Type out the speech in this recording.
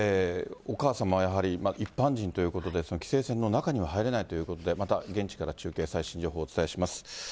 お母様はやはり、一般人ということで、規制線の中には入れないということで、また現地から中継、最新情報をお伝えします。